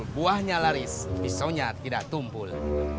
buahnya laris pisau nya tidak tumpul